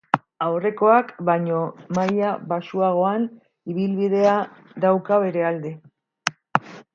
Aurrekoak baino maila baxuagoan, ibilbidea dauka bere alde.